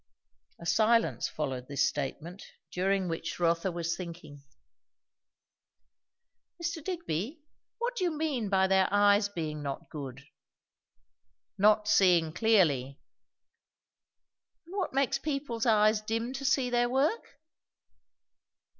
A silence followed this statement, during which Rotha was thinking. "Mr. Digby, what do you mean by their eyes being not good?" "Not seeing clearly." "And what makes people's eyes dim to see their work?"